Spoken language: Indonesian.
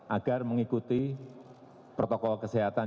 agar mengikuti protokol kesehatan